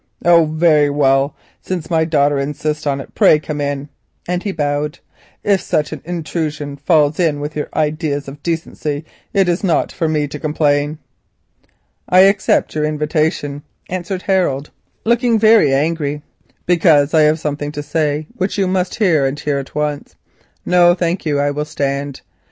"Oh, very well, since my daughter insists on it, pray come in," and he bowed. "If such an intrusion falls in with your ideas of decency it is not for me to complain." "I accept your invitation," answered Harold, looking very angry, "because I have something to say which you must hear, and hear at once. No, thank you, I will stand.